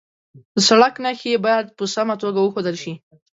د سړک نښې باید په سمه توګه وښودل شي.